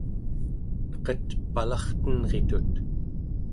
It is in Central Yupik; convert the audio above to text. neqet palartenritut